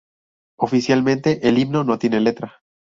Oficialmente el himno no tiene letra.